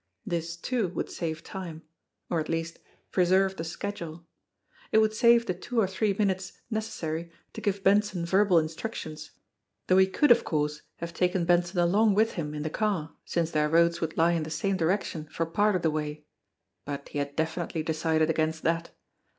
This, too, would save time or, at least, pre serve the schedule. It would save the two or three minutes necessary to give Benson verbal instructions, though he could, of course, taken Benson along with him in the car since their roads would lie in the same direction for part of the way, but he had definitely decided against that.